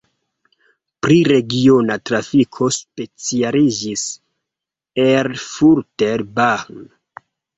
Pri regiona trafiko specialiĝis Erfurter Bahn.